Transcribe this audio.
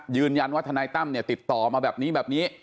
ยืนยันว่าทนายตั้มติดต่อมาแบบนี้แบบนี้